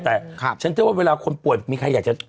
แต่ฉันเชื่อว่าเวลาคนป่วยมีใครอยากจะ